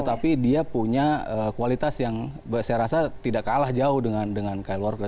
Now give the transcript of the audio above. tetapi dia punya kualitas yang saya rasa tidak kalah jauh dengan kyle walker